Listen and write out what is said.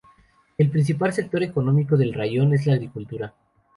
El principal sector económico del raión es la agricultura.